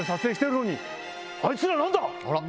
「あいつら何だ！」。